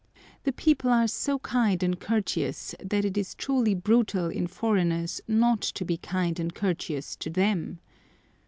The people are so kind and courteous, that it is truly brutal in foreigners not to be kind and courteous to them.